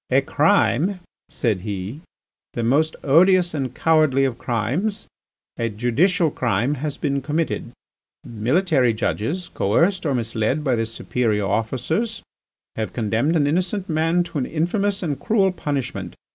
"A crime," said he, "the most odious and cowardly of crimes, a judicial crime, has been committed. Military judges, coerced or misled by their superior officers, have condemned an innocent man to an infamous and cruel punishment.